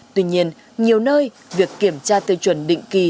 tuy nhiên nhiều nơi việc kiểm tra tiêu chuẩn định kỳ